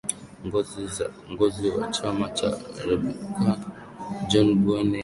ngozi wa chama cha republican john bowen hay